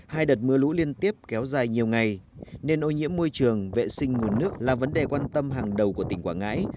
hai đợt mưa lũ liên tiếp kéo dài nhiều ngày nên ô nhiễm môi trường vệ sinh nguồn nước là vấn đề quan tâm hàng đầu của tỉnh quảng ngãi